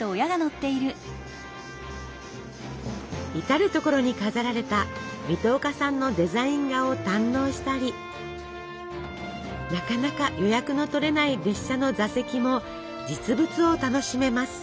至る所に飾られた水戸岡さんのデザイン画を堪能したりなかなか予約の取れない列車の座席も実物を楽しめます。